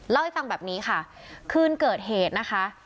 เล่าให้ฟังแบบนี้ค่ะคืนเกิดเหตุนะคะ